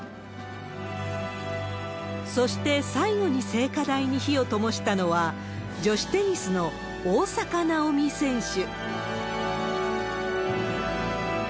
そして最後に聖火台に火をともしたのは、女子テニスの大坂なおみ選手。